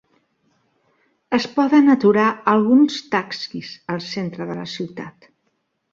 Es poden aturar alguns taxis al centre de la ciutat.